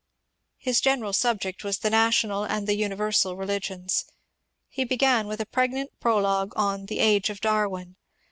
His general subject was the National and the Universal Religions. He began with a pregnant prologue on *^ the Age of Darwin."